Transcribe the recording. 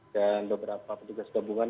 dan beberapa petugas gabungan